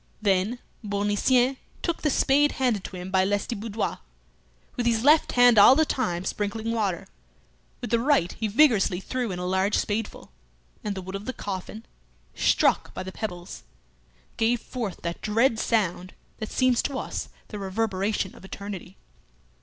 Then Bournisien took the spade handed to him by Lestiboudois; with his left hand all the time sprinkling water, with the right he vigorously threw in a large spadeful; and the wood of the coffin, struck by the pebbles, gave forth that dread sound that seems to us the reverberation of eternity.